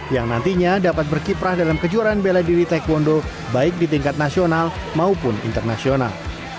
yang nantinya dapat berkiprah dalam kejuaraan bela diri taekwondo baik di tingkat nasional maupun internasional